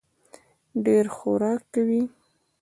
ډېر خورک کوي.